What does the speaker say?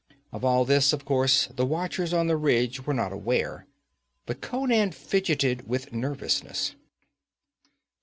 Of all this, of course, the watchers on the ridge were not aware. But Conan fidgeted with nervousness.